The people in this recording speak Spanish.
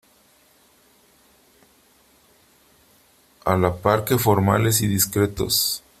a la par que formales y discretos .